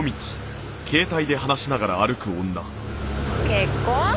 結婚？